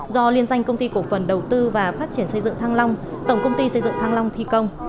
do liên danh công ty cổ phần đầu tư và phát triển xây dựng thăng long tổng công ty xây dựng thăng long thi công